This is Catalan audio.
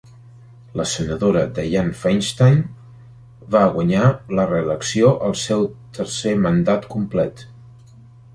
La senadora Dianne Feinstein va guanyar la reelecció al seu tercer mandat complet.